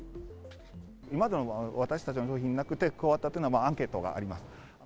今までの私たちの商品になくて加わったというのはアンケート